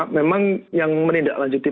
memang yang menindaklanjuti